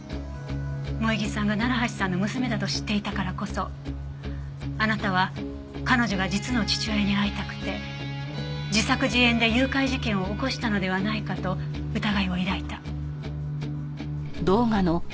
萌衣さんが楢橋さんの娘だと知っていたからこそあなたは彼女が実の父親に会いたくて自作自演で誘拐事件を起こしたのではないかと疑いを抱いた。